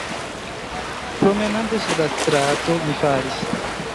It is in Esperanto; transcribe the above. Promenante sur la strato, mi falis.